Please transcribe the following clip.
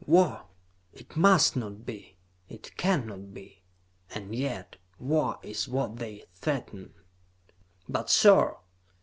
"War! It must not be. It cannot be! And yet, war is what they threaten." "But, sir!"